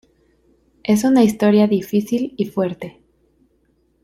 Es una historia difícil y fuerte.